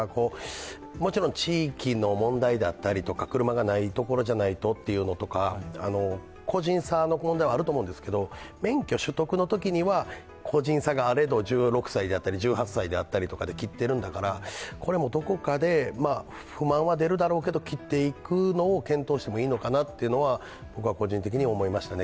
もちろん地域の問題だったりとか車がないところじゃないとというのとか、個人差の問題はあると思うんですけど免許取得のときには個人差があれど、１６歳や１８歳で切っているんだから、切っているんだから、これはどこかで不満は出るだろうけど切っていくことを検討してもいいのかなというのは個人的には思いましたね。